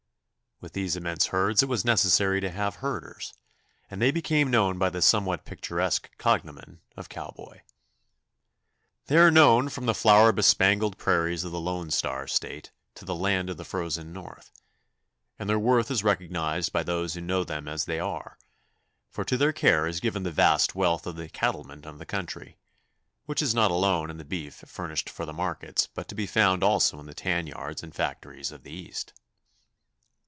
With these immense herds it was necessary to have herders, and they became known by the somewhat picturesque cognomen of cowboy. They are known from the flower bespangled prairies of the Lone Star State to the land of the Frozen North, and their worth is recognized by those who know them as they are, for to their care is given the vast wealth of the cattlemen of the country, which is not alone in the beef furnished for the markets but to be found also in the tan yards and factories of the East.